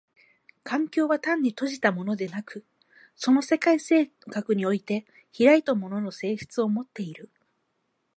環境は単に閉じたものでなく、その世界性格において開いたものの性質をもっている。